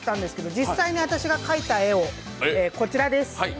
実際に私が描いた絵、こちらです。